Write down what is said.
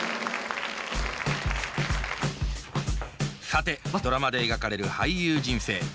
さてドラマで描かれる俳優人生。